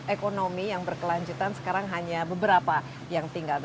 ekonomi yang berkelanjutan sekarang hanya beberapa yang tinggal